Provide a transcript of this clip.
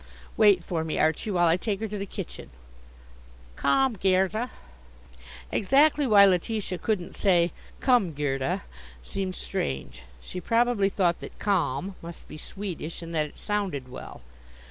Wait for me, Archie, while I take her to the kitchen. Kom, Gerda." Exactly why Letitia couldn't say "Come, Gerda," seemed strange. She probably thought that Kom must be Swedish, and that it sounded well.